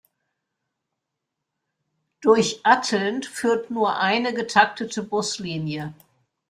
Durch Atteln führt nur eine getaktete Buslinie.